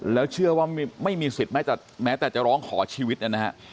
แล้วเชื่อว่าไม่มีสิทธิ์แม้แต่จะร้องขอชีวิตนะฮะ